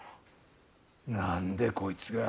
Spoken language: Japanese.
何で、こいつが。